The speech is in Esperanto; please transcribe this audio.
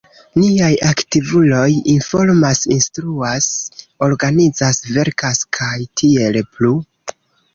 Niaj aktivuloj informas, instruas, organizas, verkas, kaj tiel plu.